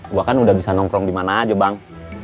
gue kan udah bisa nongkrong dimana aja bang